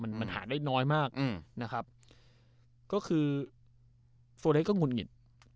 มันมันหาได้น้อยมากอืมนะครับก็คือโฟเลสก็งุดหงิด